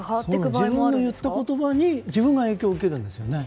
自分の言った言葉に自分が影響を受けるんですよね。